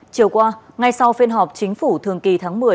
chiều qua ngay sau phiên họp chính phủ thường kỳ tháng một mươi